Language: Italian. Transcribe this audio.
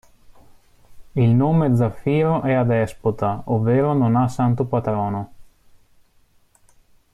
Il nome Zaffiro è adespota, ovvero non ha santo patrono.